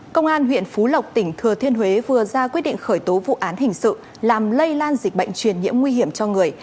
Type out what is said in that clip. công an huyện phú lộc tỉnh thừa thiên huế vừa ra quyết định khởi tố vụ án hình sự làm lây lan dịch bệnh truyền nhiễm nguy hiểm cho người